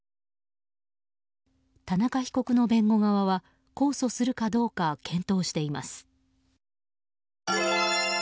田中被告の弁護側は控訴するかどうか検討しています。